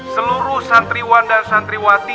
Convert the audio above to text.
seluruh santriwan dan santriwati